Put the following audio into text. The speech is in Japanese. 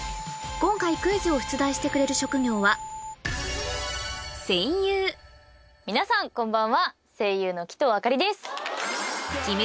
今回クイズを出題してくれる職業は皆さんこんばんは。